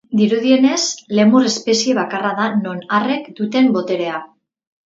Dirudienez lemur espezie bakarra da non arrek duten boterea.